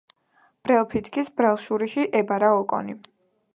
ბრელ ფითქის ბრელ შურიში ებარა ოკონი